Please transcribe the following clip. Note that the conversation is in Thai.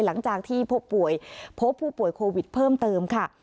หลังจากที่พบป่วยพบผู้ป่วยโควิดเพิ่มเติมค่ะ